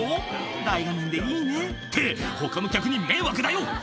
「大画面でいいね」って他の客に迷惑だよ！